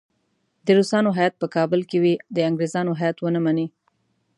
د روسانو هیات په کابل کې وي د انګریزانو هیات ونه مني.